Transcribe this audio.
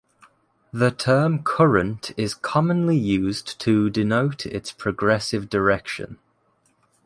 The term current is commonly used to denote its progressive direction.